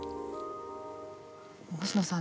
星野さん